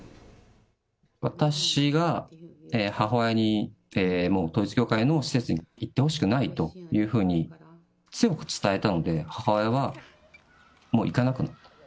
私が母親にもう統一教会の施設に行ってほしくないというふうに強く伝えたので、母親はもう行かなくなった。